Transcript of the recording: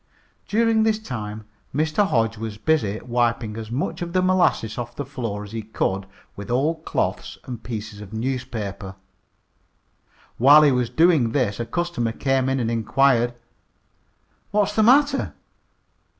During this time Mr. Hodge was busy wiping as much of the molasses off the floor as he could with old cloths and pieces of newspaper. While he was doing this a customer came in and inquired: "What's the matter?